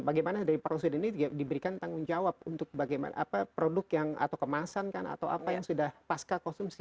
bagaimana dari produsen ini diberikan tanggung jawab untuk bagaimana produk yang atau kemasan kan atau apa yang sudah pasca konsumsi